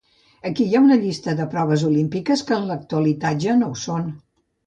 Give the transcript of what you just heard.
Aquí hi ha una llista de proves olímpiques que en l'actualitat ja no ho són.